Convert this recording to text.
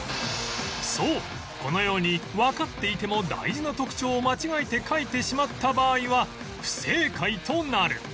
そうこのようにわかっていても大事な特徴を間違えて描いてしまった場合は不正解となる